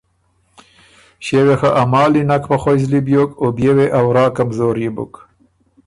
ݭيې وې خه ا مالی نک په خوئ زلی بیوک او بيې وې ا ورا کمزوريې بُک